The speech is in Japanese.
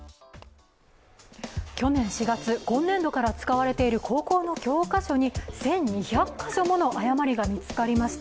去年４月、今年度から使われている高校の教科書に１２００か所もの誤りが見つかりました。